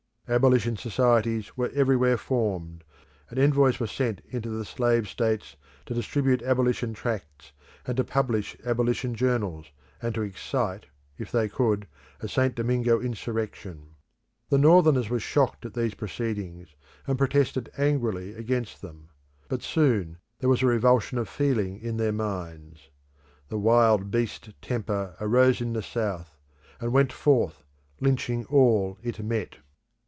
Abolition societies were everywhere formed, and envoys were sent into the slave states to distribute abolition tracts and to publish abolition journals, and to excite, if they could, a St. Domingo insurrection. The Northerners were shocked at these proceedings and protested angrily against them. But soon there was a revulsion of feeling in their minds, The wild beast temper arose in the South, and went forth lynching all it met.